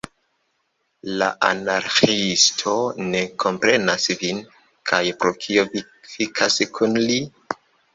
La Anarĥiisto ne komprenas vin, kaj pro tio vi fikas kun li?